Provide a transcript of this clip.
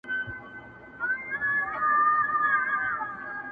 د کښتۍ آرام سفر سو ناکراره.!